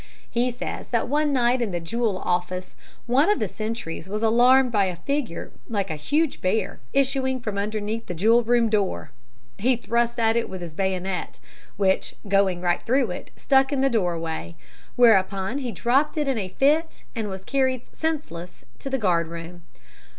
He says that one night in the Jewel Office, one of the sentries was alarmed by a figure like a huge bear issuing from underneath the Jewel Room door. He thrust at it with his bayonet, which, going right through it, stuck in the doorway, whereupon he dropped in a fit, and was carried senseless to the guard room.